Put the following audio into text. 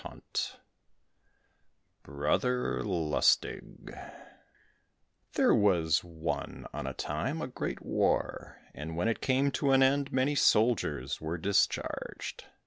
81 Brother Lustig There was one on a time a great war, and when it came to an end, many soldiers were discharged.